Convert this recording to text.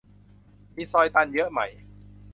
มีซอยตันเยอะไหม